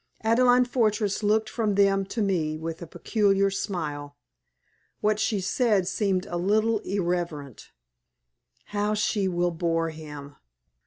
Adelaide Fortress looked from them to me with a peculiar smile. What she said seemed a little irrelevant. "How she will bore him!"